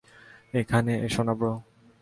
এখানে এসো না ব্রো।